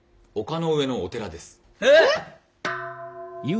えっ！？